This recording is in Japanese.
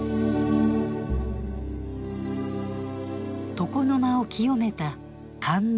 床の間を清めた「神床」。